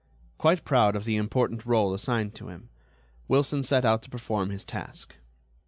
Quite proud of the important rôle assigned to him, Wilson set out to perform his task.